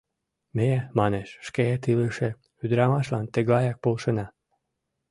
Ме, — манеш, — шкет илыше ӱдырамашлан тыглаяк полшена.